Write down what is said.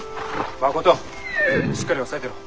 誠しっかり押さえてろ。